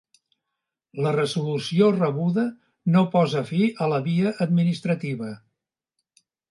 La resolució rebuda no posa fi a la via administrativa.